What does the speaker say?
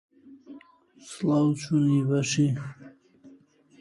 The mission of Northwest Nazarene University is the transformation of the whole person.